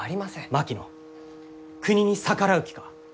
槙野国に逆らう気か？